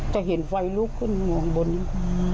จะเห็นไฟลูกขึ้นบนนี้